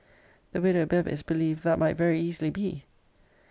The widow Bevis believed that might very easily be.